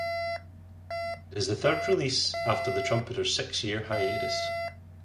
It is the third release after the trumpeter's six-year hiatus.